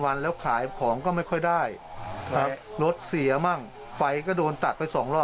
ฝ่าแล้วเห็นใจจริง